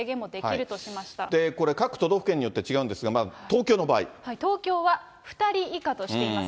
これ、各都道府県によって違東京は、２人以下としています。